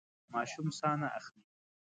ماشوم ساه نه اخلي.